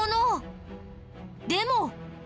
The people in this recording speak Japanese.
でも。